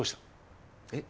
えっ？